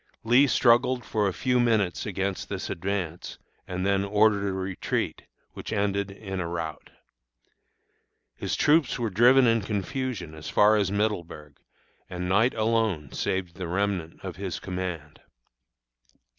Lee struggled for a few minutes against this advance, and then ordered a retreat, which ended in a rout. His troops were driven in confusion as far as Middleburg, and night alone saved the remnant of his command.